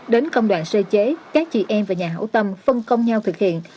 đến công đoàn xây chế các chị em và nhà hậu tâm phân công nhau thực hiện